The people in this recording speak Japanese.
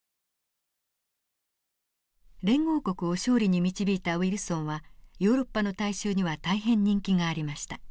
連合国を勝利に導いたウィルソンはヨーロッパの大衆には大変人気がありました。